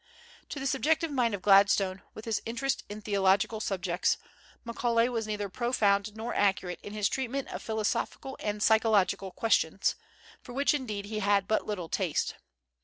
To the subjective mind of Gladstone, with his interest in theological subjects, Macaulay was neither profound nor accurate in his treatment of philosophical and psychological questions, for which indeed he had but little taste.